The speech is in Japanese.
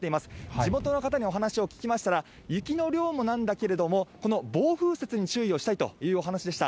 地元の方にお話を聞きましたら、雪の量もなんだけれども、この暴風雪に注意をしたいというお話でした。